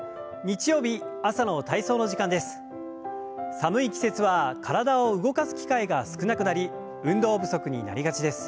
寒い季節は体を動かす機会が少なくなり運動不足になりがちです。